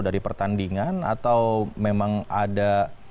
dari pertandingan atau memang ada